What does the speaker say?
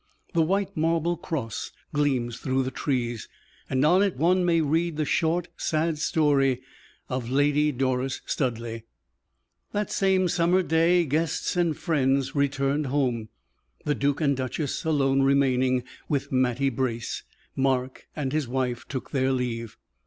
The white marble cross gleams through the trees and on it one may read the short, sad story of Lady Doris Studleigh. That same summer day, guests and friends returned home, the duke and duchess alone remaining, with Mattie Brace. Mark and his wife took their leave.